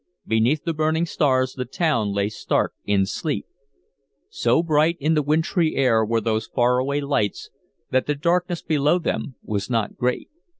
Beneath the burning stars the town lay stark in sleep. So bright in the wintry air were those far away lights that the darkness below them was not great.